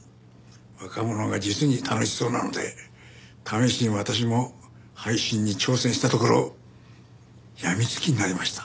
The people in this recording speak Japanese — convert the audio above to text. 若者が実に楽しそうなので試しに私も配信に挑戦したところ病み付きになりました。